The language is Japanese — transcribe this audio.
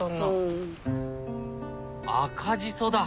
赤じそだ。